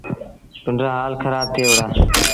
پنڊرآ هآل کرآب ٿئي وُهڙآ۔